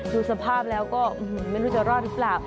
ดูสภาพแล้วก็ไม่รู้จะรอดหรือเปล่า